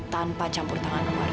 tanpa campur tangan keluarga